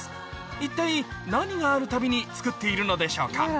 一体何があるたびに作っているのでしょうか？